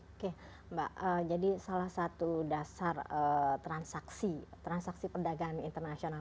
oke mbak jadi salah satu dasar transaksi transaksi perdagangan internasional